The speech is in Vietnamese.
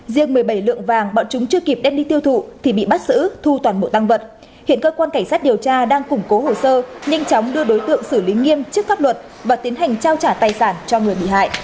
riêng một mươi bảy lượng vàng bọn chúng chưa kịp đem đi tiêu thụ thì bị bắt xử thu toàn bộ tăng vật hiện cơ quan cảnh sát điều tra đang củng cố hồ sơ nhanh chóng đưa đối tượng xử lý nghiêm chức pháp luật và tiến hành trao trả tài sản cho người bị hại